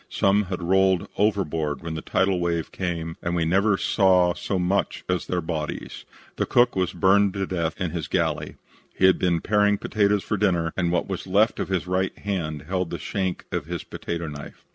Some had rolled overboard when the tidal wave came and we never saw so much as their bodies. The cook was burned to death in his galley. He had been paring potatoes for dinner and what was left of his right hand held the shank of his potato knife.